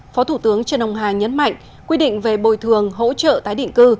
phó thủ tướng trần ông hà nhấn mạnh quy định về bồi thường hỗ trợ tái định cư